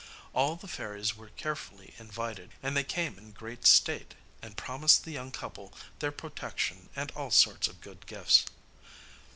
All the fairies were carefully invited, and they came in great state, and promised the young couple their protection and all sorts of good gifts.